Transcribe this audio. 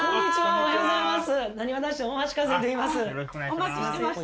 おはようございます。